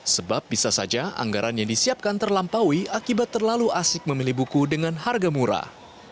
sebab bisa saja anggaran yang disiapkan terlampaui akibat terlalu asik memilih buku dengan harga murah